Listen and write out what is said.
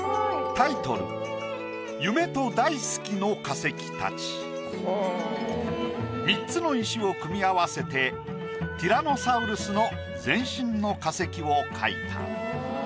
タイトル３つの石を組み合わせてティラノサウルスの全身の化石を描いた。